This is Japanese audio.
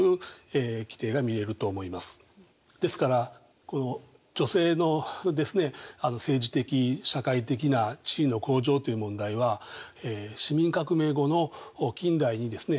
ですからこの女性のですね政治的社会的な地位の向上という問題は市民革命後の近代にですね